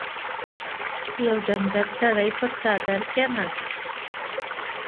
يو ډنګر سړی پر څادر کېناست.